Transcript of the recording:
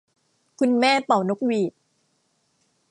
คุณแม่เป่านกหวีด